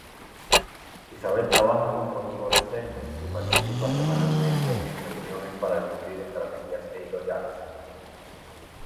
Isabel trabaja con productores Senior y participa semanalmente en reuniones para discutir estrategias editoriales.